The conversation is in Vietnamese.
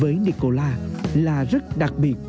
với nicola là rất đặc biệt